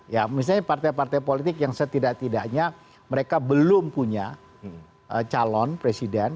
ya misalnya partai partai politik yang setidak tidaknya mereka belum punya calon presiden